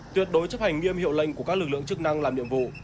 tuyệt đối chấp hành nghiêm hiệu lệnh của các lực lượng chức năng làm nhiệm vụ